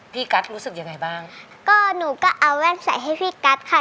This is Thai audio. กัสรู้สึกยังไงบ้างก็หนูก็เอาแว่นใส่ให้พี่กัสค่ะ